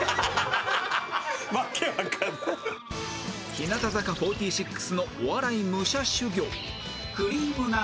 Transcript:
日向坂４６のお笑い武者修行